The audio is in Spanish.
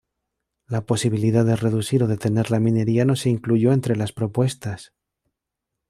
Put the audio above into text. La posibilidad de reducir o detener la minería no se incluyó entre las propuestas.